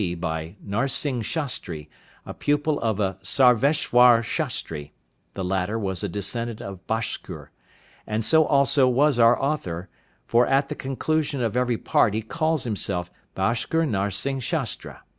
D., by Narsing Shastri, a pupil of a Sarveshwar Shastri; the latter was a descendant of Bhaskur, and so also was our author, for at the conclusion of every part he calls himself Bhaskur Narsing Shastra.